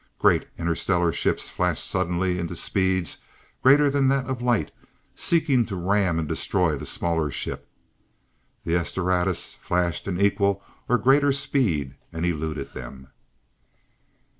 Great interstellar ships flashed suddenly into speeds greater than that of light, seeking to ram and destroy the smaller ship. The "S Doradus" flashed into equal or greater speed, and eluded them.